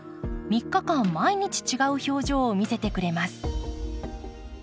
３日間毎日違う表情を見せてくれます。